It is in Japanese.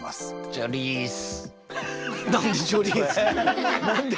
チョリースって。